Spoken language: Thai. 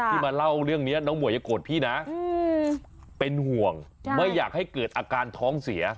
มาเล่าเรื่องนี้น้องหมวยอย่าโกรธพี่นะเป็นห่วงไม่อยากให้เกิดอาการท้องเสีย